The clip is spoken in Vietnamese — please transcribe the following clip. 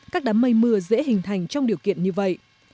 các đám mây mưa dễ hình thành trong điều kiện như vậy